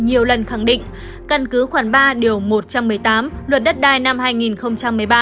nhiều lần khẳng định căn cứ khoảng ba điều một trăm một mươi tám luật đất đai năm hai nghìn một mươi ba